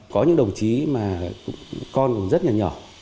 có những đồng chí mà con cũng rất là nhỏ